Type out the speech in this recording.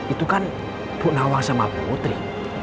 itu kan bu nawang sama putri